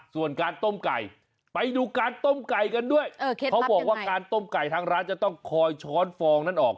ส่วนการต้มไก่ไปดูการต้มไก่กันด้วยเขาบอกว่าการต้มไก่ทางร้านจะต้องคอยช้อนฟองนั้นออก